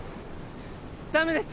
ダメです！